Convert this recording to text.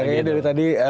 kayaknya dari tadi